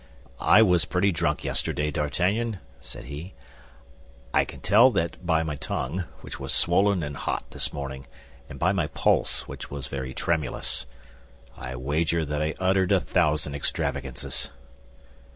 "I was pretty drunk yesterday, D'Artagnan," said he, "I can tell that by my tongue, which was swollen and hot this morning, and by my pulse, which was very tremulous. I wager that I uttered a thousand extravagances."